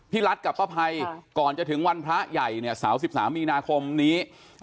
พี่รัฐกับพระภัยก่อนจะถึงวันพระใหญ่เนี่ยเสาร์๑๓มีนาคมนี้